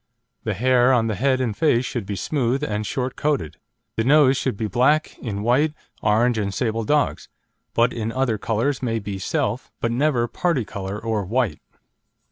The hair on the head and face should be smooth and short coated. The nose should be black in white, orange and sable dogs; but in other colours may be self, but never parti colour or white.